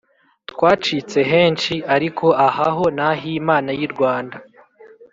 twacitse henshi ariko ahaho nahimana y’i rwanda"